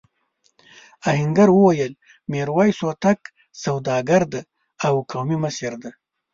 آهنګر وویل میرويس هوتک سوداګر دی او قومي مشر دی.